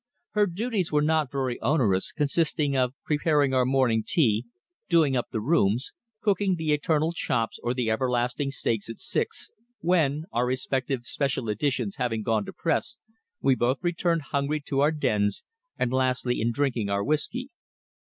Her duties were not very onerous, consisting of preparing our morning tea, "doing up" the rooms, cooking the eternal chops or the everlasting steaks at six, when, our respective "special editions" having gone to press, we both returned hungry to our dens, and lastly in drinking our whisky.